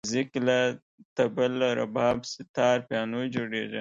موزیک له طبل، رباب، ستار، پیانو جوړېږي.